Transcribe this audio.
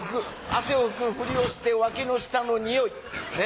汗を拭くふりをして脇の下のニオイ。